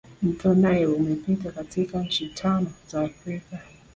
mto nile umepita katika nchi tano za africa